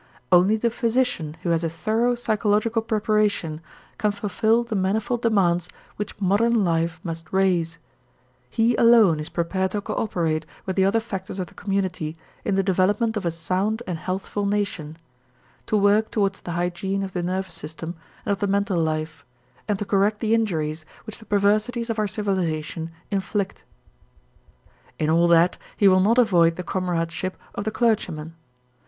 Only the physician who has a thorough psychological preparation can fulfill the manifold demands which modern life must raise; he alone is prepared to coöperate with the other factors of the community in the development of a sound and healthful nation, to work towards the hygiene of the nervous system and of the mental life; and to correct the injuries which the perversities of our civilization inflict. In all that he will not avoid the comradeship of the clergyman.